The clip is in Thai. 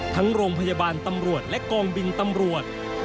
ทั้งโรงพยาบาลตำรวจและกองบินตำรวจ